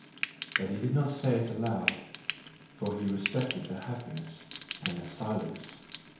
but he did not say it aloud, for he respected their happiness and their silence.